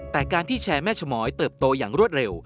แต่การที่แชร์แม่ชมอยเติบโตอย่างรวดเร็ว